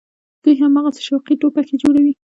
دوى هماغسې شوقي ټوپکې جوړوي.